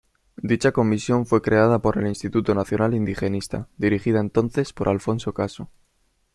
Dicha comisión fue creada por el Instituto Nacional Indigenista, dirigida entonces por Alfonso Caso.